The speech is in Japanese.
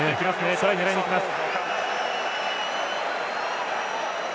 トライを狙いにいきます。